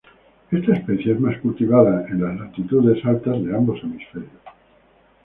Esta especie es más cultivada en las latitudes altas de ambos hemisferios.